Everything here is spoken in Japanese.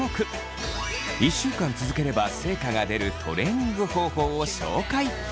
１週間続ければ成果が出るトレ−ニング方法を紹介。